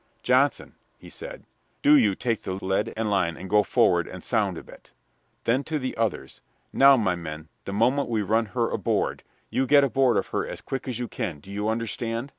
"Johnson," he said, "do you take the lead and line and go forward and sound a bit." Then to the others: "Now, my men, the moment we run her aboard, you get aboard of her as quick as you can, do you understand?